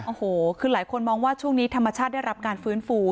โอ้โหคือหลายคนมองว่าช่วงนี้ธรรมชาติได้รับการฟื้นฟู